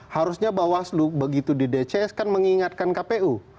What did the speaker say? harusnya bawaslu begitu di dcs kan mengingatkan kpu